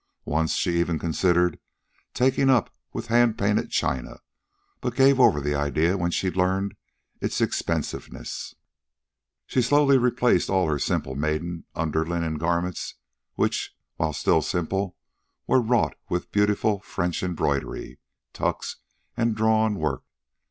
Once, she even considered taking up with hand painted china, but gave over the idea when she learned its expensiveness. She slowly replaced all her simple maiden underlinen with garments which, while still simple, were wrought with beautiful French embroidery, tucks, and drawnwork.